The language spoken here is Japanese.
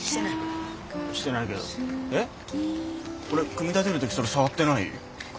えっ俺組み立てる時それ触ってない？